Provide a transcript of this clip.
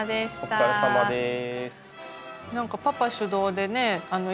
お疲れさまです。